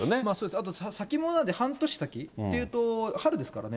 あと先物なんで、半年先というと、春ですからね。